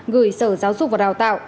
gửi sở giáo dục và đào tạo